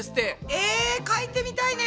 えかいてみたいね！